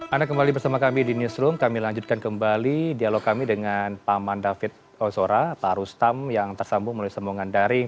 anda kembali bersama kami di newsroom kami lanjutkan kembali dialog kami dengan paman david ozora pak rustam yang tersambung melalui sambungan daring